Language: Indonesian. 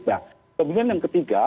dia kemudian yang ketiga